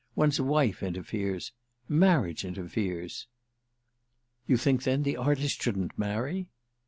One's wife interferes. Marriage interferes." "You think then the artist shouldn't marry?"